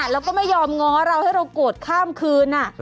แล้วก็ไม่ยอมง้อเราให้เราโกรธข้ามคืน